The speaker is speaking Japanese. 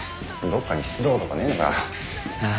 どっかに出動！とかねえのかよ。